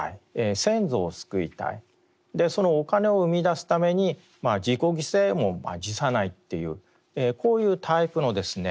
そのお金を生みだすために自己犠牲も辞さないというこういうタイプのですね